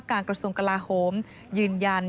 ว่าการกระทรวงกลาโหมยืนยัน